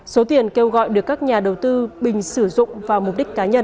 số tiền kêu gọi được các nhà đầu tư bình sử dụng vào mục đích cá nhân